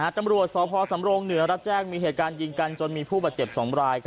ตำรวจสพสำรงเหนือรับแจ้งมีเหตุการณ์ยิงกันจนมีผู้บาดเจ็บ๒ราย